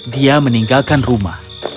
dia meninggalkan rumah